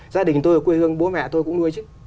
gia đình tôi ở quê hương bố mẹ tôi cũng nuôi chứ